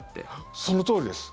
そのとおりです。